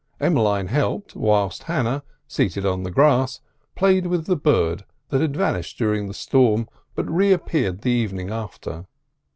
Emmeline helped; whilst Hannah, seated on the grass, played with the bird that had vanished during the storm, but reappeared the evening after.